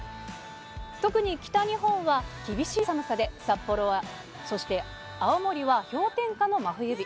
特に北日本は、厳しい寒さで、札幌は、そして青森は氷点下の真冬日。